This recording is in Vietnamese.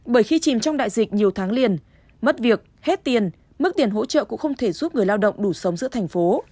bởi khi chìm trong đại dịch nhiều tháng liền mất việc hết tiền mức tiền hỗ trợ cũng không thể giúp người lao động đủ sống giữa thành phố